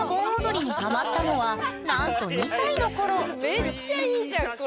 めっちゃいいじゃんこれ。